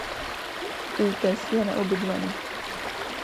Útes je neobydlený.